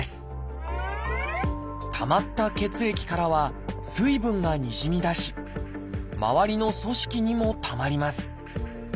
たまった血液からは水分がにじみ出し周りの組織にもたまります。